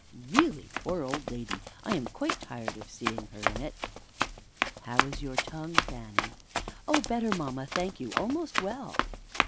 Really, poor old lady, I am quite tired of seeing her in it! Mother. How is your tongue, Fanny? Fanny. Oh, better, mamma, thank you almost well.